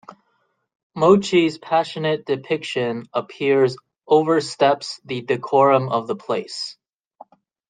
Mochi's passionate depiction appears oversteps the decorum of the place.